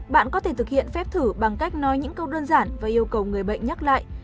bạn có thể thực hiện phép thử bằng cách nói những câu đơn giản và yêu cầu người bệnh nhắc lại